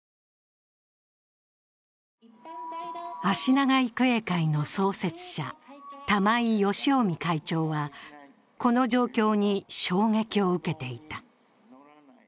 あしなが育英会の創設者、玉井義臣会長はこの状況に衝撃を受けていた。